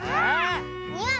ああ！